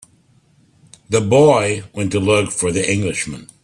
The boy went to look for the Englishman.